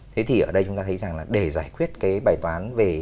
thế thì ở đây chúng ta thấy rằng là để giải quyết cái bài toán về